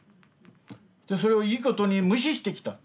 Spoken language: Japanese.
それをいいことに無視してきた。